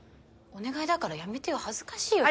お願いだからやめてよ恥ずかしいよ。